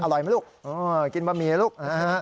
อร่อยไหมลูกกินบะหมี่ลูกนะฮะ